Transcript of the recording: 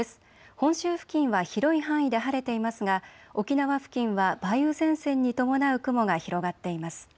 本州付近は広い範囲で晴れていますが沖縄付近は梅雨前線に伴う雲が広がっています。